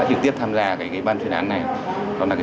đã trực tiếp tham gia ban phiên án này